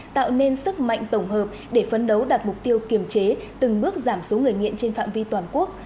tạo nên sức mạnh tổng hợp để phấn đấu đạt mục tiêu kiểm chế từng bước giảm số người nghiện trên phạm vi toàn quốc